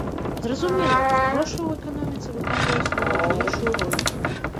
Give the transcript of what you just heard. Зразумела, грошы ў эканоміцы выконваюць найважнейшую ролю.